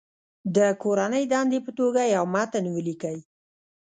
د کورنۍ دندې په توګه یو متن ولیکئ.